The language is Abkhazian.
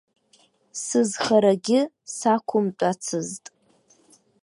Сызхарагьы сақәымтәацызт.